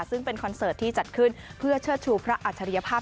ซึ่งเป็นคอนเสิร์ตที่จัดขึ้นเพื่อเชิดชูพระอัจฉริยภาพ